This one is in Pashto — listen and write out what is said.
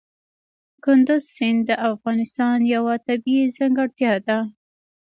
کندز سیند د افغانستان یوه طبیعي ځانګړتیا ده.